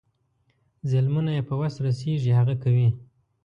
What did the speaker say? ظلمونه یې په وس رسیږي هغه کوي.